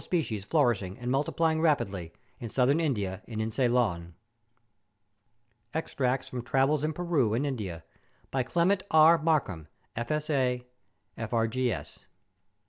species flourishing and multiplying rapidly in Southern India and in Ceylon. Extracts from Travels in Pern and India, by Clement E. Markham, F.S.A., F.E.Gr.S.